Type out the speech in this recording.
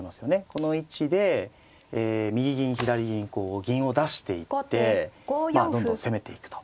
この位置で右銀左銀こう銀を出していってまあどんどん攻めていくと。